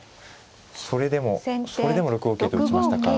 それでもそれでも６五桂と打ちましたか。